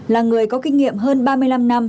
là người có kinh nghiệm hơn ba mươi năm năm